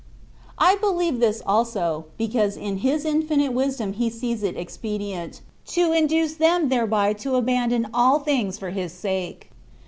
I believe this also, because in Ilis infinite wisdom He sees it expedient, to induce them thereby to abandon all things for His sake.